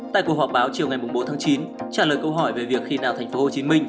tại cuộc họp báo chiều ngày bốn tháng chín trả lời câu hỏi về việc khi nào tp hcm